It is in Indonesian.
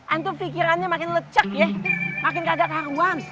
anto pikirannya makin lecek ya makin kagak haruan